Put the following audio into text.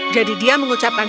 jadi dia mengucapkan